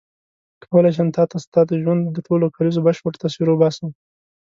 کولای شم تا ته ستا د ژوند د ټولو کلیزو بشپړ تصویر وباسم.